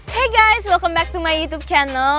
hai guys selamat datang kembali ke channel youtube saya